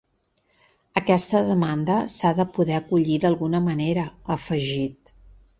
Aquesta demanda s’ha de poder acollir d’alguna manera, ha afegit.